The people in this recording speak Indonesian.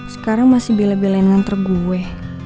sekarang masih bila bila yang nganter gue